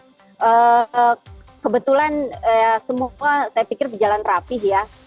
jadi kebetulan semua saya pikir berjalan rapih ya